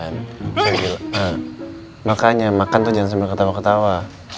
nah makanya makan tuh jangan sampai ketawa ketawa